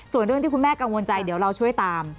ส่วนเรื่องที่คุณแม่กังวลใจเดี๋ยวเราช่วยตาม